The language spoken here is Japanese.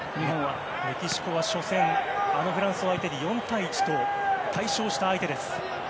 メキシコは初戦あのフランスを相手に４対１と大勝した相手です。